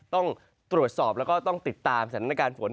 ต้องตรวจสอบแล้วก็ต้องติดตามสถานการณ์ฝน